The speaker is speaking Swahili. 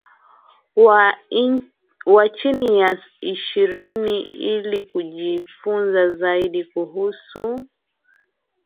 wa chini ya ishirini Ili kujifunza zaidi kuhusu